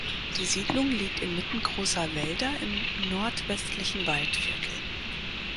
Die Siedlung liegt inmitten großer Wälder im nordwestlichen Waldviertel.